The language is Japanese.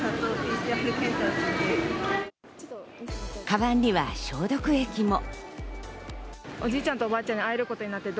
かばんには消毒液も。